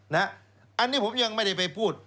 อันนี้ผมยังไม่ได้ไปพูด